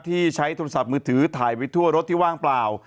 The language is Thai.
ที่ใช้โทรศัพท์มือถือถ่ายไว้ทั่วรถที่ว่างเปล่า